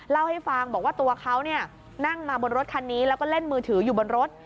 เล่าให้ฟังบอกว่าตัวเขานั่งมาบนรถคันนี้แล้วก็เล่นมือถืออยู่บนรถ